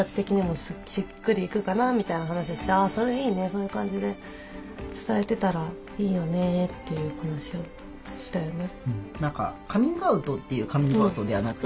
そういう感じで伝えてたらいいよねっていう話をしたよね。